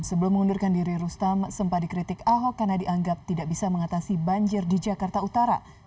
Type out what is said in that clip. sebelum mengundurkan diri rustam sempat dikritik ahok karena dianggap tidak bisa mengatasi banjir di jakarta utara